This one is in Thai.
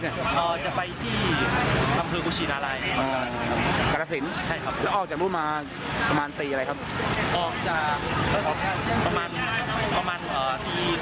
ในนี้มีนักร้องอีกคนสัมพันธ์อีกมีอะไร